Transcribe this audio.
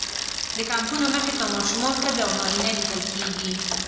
د کمپونو مخې ته ماشومان، ښځې او نارینه لیدل کېږي.